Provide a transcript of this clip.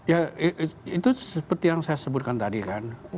ya itu seperti yang saya sebutkan tadi kan